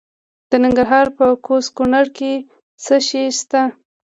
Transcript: د ننګرهار په کوز کونړ کې څه شی شته؟